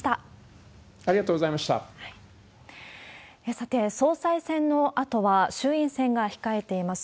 さて、総裁選のあとは衆院選が控えています。